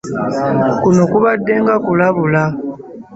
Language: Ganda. Kuno kubadde nga kulabula.